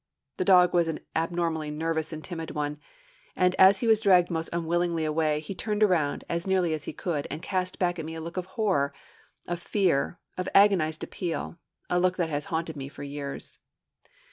The dog was an abnormally nervous and timid one; and as he was dragged most unwillingly away, he turned around, as nearly as he could, and cast back at me a look of horror, of fear, of agonized appeal a look that has haunted me for years.